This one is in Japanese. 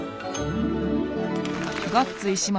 ガッツ石松